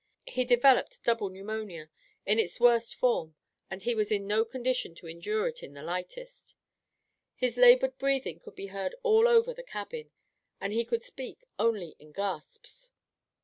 He developed double pneumonia in its worst form and he was in no condition to endure it in the lightest. His labored breathing could be heard all over the cabin, and he could speak only in gasps.